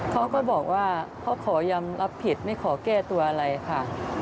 เขาก็บอกว่าเขาขอยอมรับผิดไม่ขอแก้ตัวอะไรค่ะ